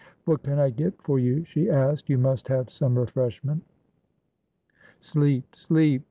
"What can I get for you?" she asked. "You must have some refreshment" "Sleep, sleep!"